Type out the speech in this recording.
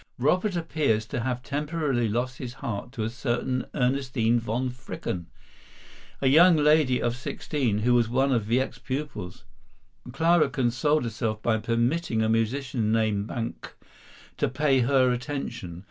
Robert appears to have temporarily lost his heart to a certain Ernestine von Fricken, a young lady of sixteen, who was one of Wieck's pupils. Clara consoled herself by permitting a musician named Banck to pay her attention.